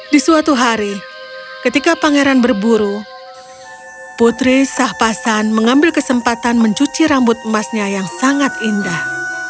di suatu hari ketika pangeran berburu putri sahpasan mengambil kesempatan mencuci rambut emasnya yang sangat indah